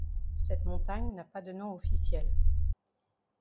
Cette montagne n'a pas de nom officiel.